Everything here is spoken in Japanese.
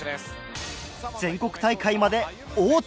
全国大会まで王手！